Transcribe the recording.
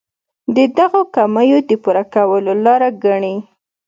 د دغو کمیو د پوره کولو لاره ګڼي.